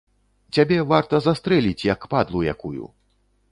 Цябе варта застрэліць, як падлу якую!